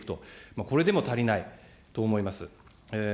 これでも足りないと思います。